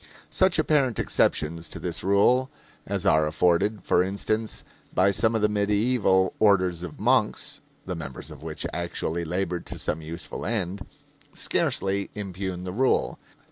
Such apparent exceptions to this rule as are afforded, for instance, by some of the medieval orders of monks (the members of which actually labored to some useful end), scarcely impugn the rule.